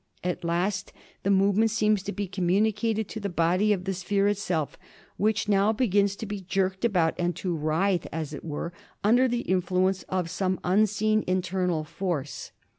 At last the movement seems to be communicated to the body of the sphere itself, which now begins to be jerked about and to writhe, as it were, under the influence of some unseen internal force.